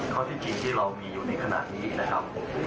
ข้อที่จริงที่เรามีอยู่ในขณะนี้นะครับ